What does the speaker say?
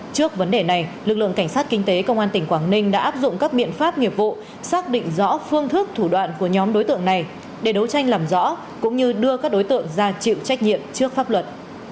trước vấn đề này lực lượng cảnh sát kinh tế công an tỉnh quảng ninh đã áp dụng các biện pháp nghiệp vụ xác định rõ phương thức thủ đoạn của nhóm đối tượng này để đấu tranh làm rõ cũng như đưa các đối tượng ra chịu trách nhiệm trước pháp luật